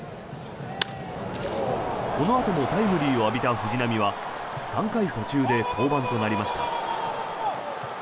このあともタイムリーを浴びた藤浪は３回途中で降板となりました。